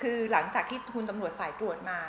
คือหลังจากที่คุณตำรวจสายตรวจมา